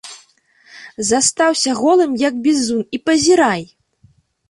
Застаўся голым як бізун і пазірай!